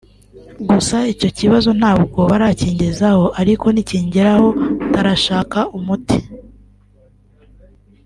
gusa icyo kibazo ntabwo barakingezaho ariko nikingeraho tarashaka umuti